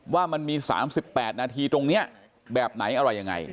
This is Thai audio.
ว่ามันมี๓๘นาทีตรงนี้แบบไหนอะไรยังไง